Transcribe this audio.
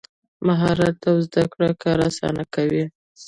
مهارت او زده کړه کار اسانه کوي.